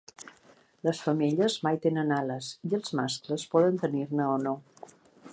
Les femelles mai tenen ales, i els mascles poden tenir-ne o no.